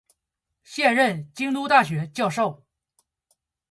现任京都大学教授。